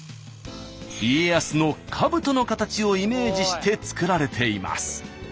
家康のかぶとの形をイメージして作られています。